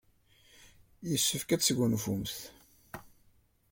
Yessefk ad tesgunfumt.